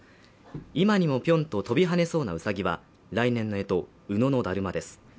今にもぴょんと飛び跳ねそうなウサギは来年のえとの「卯」のだるまです